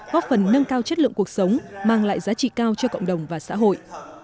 góp phần nâng cao chất lượng cuộc sống mang lại giá trị cao cho cộng đồng và xã hội